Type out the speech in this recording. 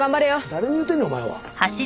誰に言うてんねんお前は。